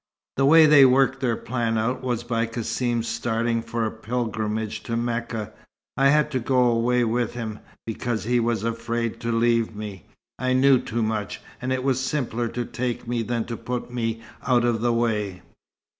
The way they worked their plan out was by Cassim's starting for a pilgrimage to Mecca. I had to go away with him, because he was afraid to leave me. I knew too much. And it was simpler to take me than to put me out of the way."